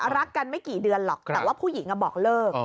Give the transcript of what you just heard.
รักกันไม่กี่เดือนหรอกแต่ว่าผู้หญิงบอกเลิก